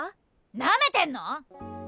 なめてんの！？